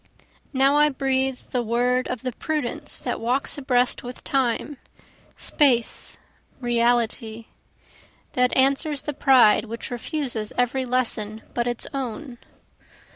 Now I breathe the word of the prudence that walks abreast with time, space, reality, That answers the pride which refuses every lesson but its own.